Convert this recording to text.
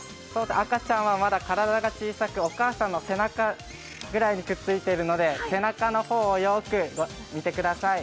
赤ちゃんはまだ体が小さく、お母さんの背中ぐらいにくっついているので背中の方をよく見てください。